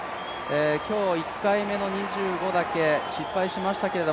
今日１回目の２５だけ失敗しましたけど